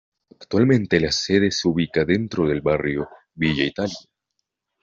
Actualmente la sede se ubica dentro del Barrio Villa Italia.